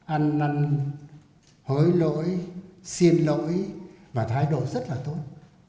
ăn năn hối lỗi xin lỗi và thái độ rất là tốt